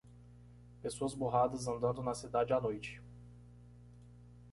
Pessoas borradas andando na cidade à noite.